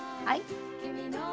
はい。